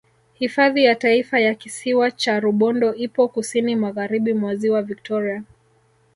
Hifadhi ya Taifa ya Kisiwa cha Rubondo ipo Kusini Magharibi mwa Ziwa Victoria